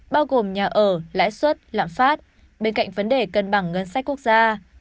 bao gồm nhà ở lãi xuất lãng phát bên cạnh vấn đề cân bằng ngân sách quốc gia